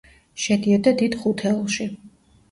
შედიოდა დიდ ხუთეულში.